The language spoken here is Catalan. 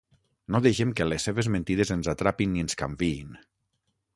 No deixem que les seves mentides ens atrapin ni ens canviïn.